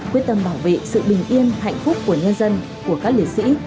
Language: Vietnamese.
quyết tâm bảo vệ sự bình yên hạnh phúc của nhân dân của các liệt sĩ